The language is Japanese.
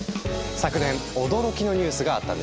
昨年驚きのニュースがあったんです。